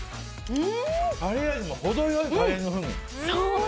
カレー味も程良いカレーの風味。